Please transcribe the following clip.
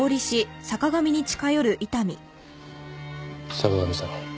坂上さん